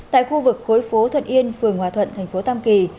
tại khu vực khối phố thuận yên phường hòa thuận thành phố tam kỳ